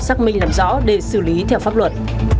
xác minh làm rõ để xử lý theo pháp luật